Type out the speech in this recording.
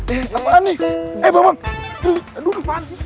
eh apaan nih eh bang aduh apaan sih